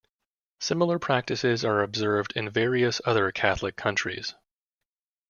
Similar practices are observed in various other Catholic countries.